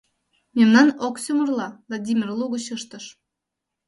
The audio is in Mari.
— Мемнан ок сӱмырлӧ, — Владимир лугыч ыштыш.